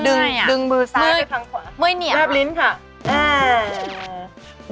เมื่อยเนียงหรอแรบลิ้นค่ะอ่า